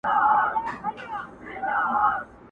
وږي نس ته یې لا ښکار نه وو میندلی!.